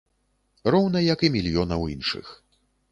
Роўна як і мільёнаў іншых.